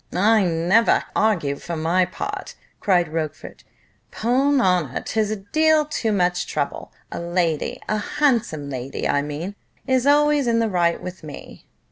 "I never argue, for my part," cried Mr. Rochfort: "'pon honour, 'tis a deal too much trouble. A lady, a handsome lady, I mean, is always in the right with me."